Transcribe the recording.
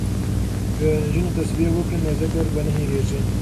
که نجونې تسبیح وکړي نو ذکر به نه هیریږي.